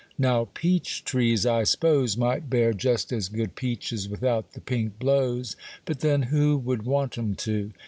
Now peach trees, I s'pose, might bear just as good peaches without the pink blows; but then who would want 'em to?